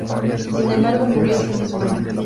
Sin embargo, murió ese mismo año.